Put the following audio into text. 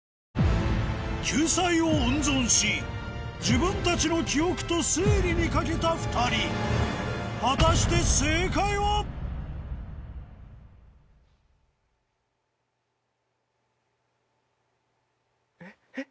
救済を温存し自分たちの記憶と推理にかけた２人果たして正解は？えへっ？